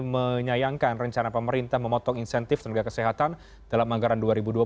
menyayangkan rencana pemerintah memotong insentif tenaga kesehatan dalam anggaran dua ribu dua puluh satu